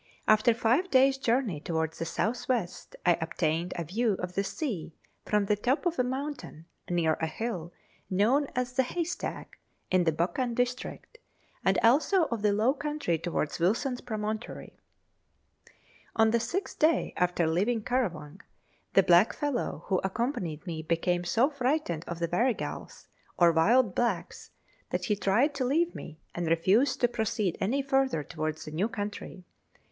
After five days' journey towards the south west, I obtained a view of the sea from the top of a mountain, near a hill known as the Haystack, in the Buchan district, and also of the low country towards Wilson's Promontory. On the sixth day after leaving Currawang the blackfellow who accompanied me became so frightened of the Warrigals, or wild blacks, that he tried to leave me, and refused to proceed any further towards the new country.